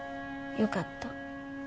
よかった。